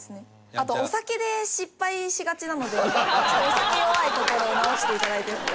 あとお酒で失敗しがちなのでちょっとお酒弱いところを直して頂いて。